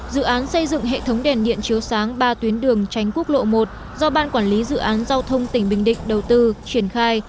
dự án xây dựng hệ thống đèn điện chiếu sáng ba tuyến đường tránh quốc lộ một do ban quản lý dự án giao thông tỉnh bình định đầu tư triển khai